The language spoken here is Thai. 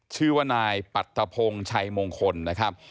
ชื่อว่านายปัตตะพงศ์ชัยมงคลนะครับ